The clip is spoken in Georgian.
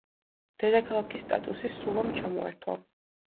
დედაქალაქის სტატუსი სულამ ჩამოართვა.